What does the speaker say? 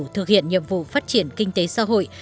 thực hiện nhiệm vụ phát triển kinh tế xã hội